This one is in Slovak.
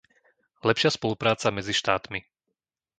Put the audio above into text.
lepšia spolupráca medzi štátmi,